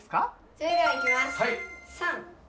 それではいきます。